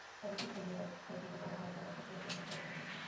তবে শিক্ষকদের পক্ষ থেকে বলা হয়, তাঁদের পক্ষে এজেন্ট হওয়া সম্ভব না।